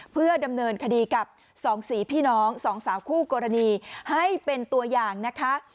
เพื่อดำเนินคดีกับสองสีพี่น้องสองสาวคู่กรณีให้เป็นตัวอย่างนะคะ